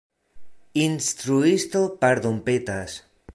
Instruisto pardonpetas.